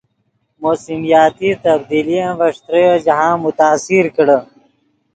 موسمیاتی تبدیلین ڤے ݯتریو جاہند متاثر کڑے